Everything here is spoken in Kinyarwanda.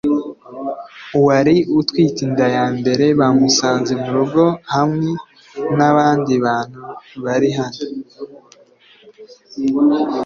wari utwite inda ya mbere bamusanze mu rugo hamwe n abandi bantu bari hano